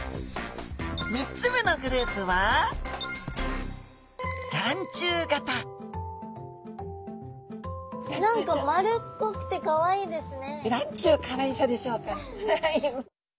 ３つ目のグループは何か丸っこくてかわいいですね。